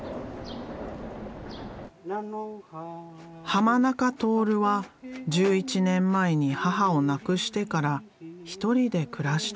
濱中徹は１１年前に母を亡くしてから一人で暮らしている。